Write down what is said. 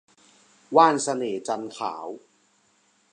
ว่านเสน่ห์จันทร์ขาว